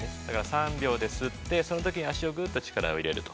３秒で吸って、そのとき足にぐっと力を入れる。